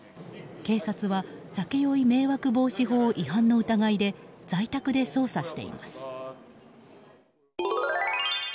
警察は酒酔い迷惑防止法違反の疑いで在宅で捜査しています。